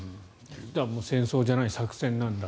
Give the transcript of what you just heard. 戦争じゃない作戦なんだ。